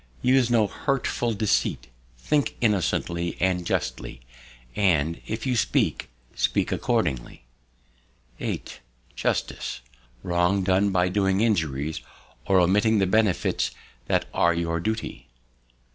Use no hurtful deceit; think innocently and justly; and, if you speak, speak accordingly. 8. Justice. Wrong none by doing injuries, or omitting the benefits that are your duty.